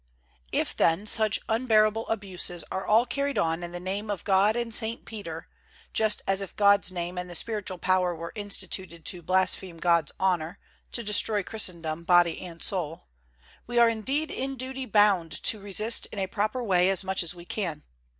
If then such unbearable abuses are all carried on in the Name of God and St. Peter, just as if God's Name and the spiritual power were instituted to blaspheme God's honor, to destroy Christendom, body and soul: we are indeed in duty bound to resist in a proper way as much as we can.